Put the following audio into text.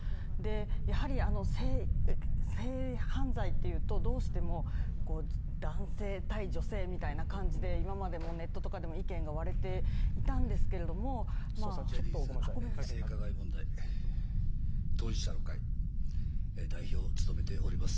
やはり性犯罪というと、どうしても男性対女性みたいな感じで今までもネットとかでも意見が割れていたんですが性加害問題当事者の会の代表を務めております